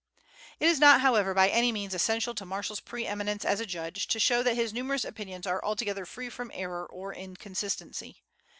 It is not, however, by any means essential to Marshall's pre eminence as a judge, to show that his numerous opinions are altogether free from error or inconsistency.